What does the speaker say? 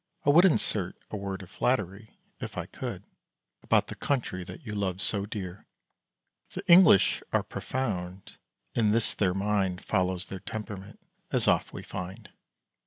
I would Insert a word of flattery, if I could, About the country that you love so dear. The English are profound: in this their mind Follows their temperament, as oft we find.